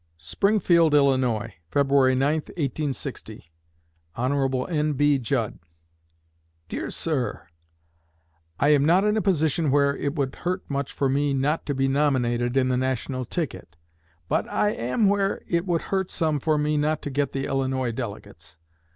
SPRINGFIELD, ILL., FEBRUARY 9, 1860. HON. N.B. JUDD Dear Sir: I am not in a position where it would hurt much for me not to be nominated on the national ticket; but I am where it would hurt some for me not to get the Illinois delegates.